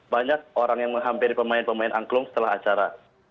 banyak orang yang menghampiri pemain pemain angklung setelah acara